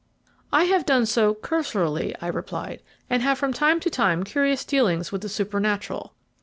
"I have done so cursorily," I replied, "and have had from time to time curious dealings with the supernatural."